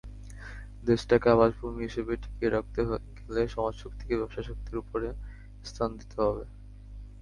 দেশটাকে আবাসভূমি হিসেবে টিকিয়ে রাখতে গেলে সমাজশক্তিকে ব্যবসাশক্তির ওপরে স্থান দিতে হবে।